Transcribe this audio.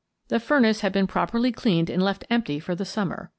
The furnace had been properly cleaned and left empty for the summer.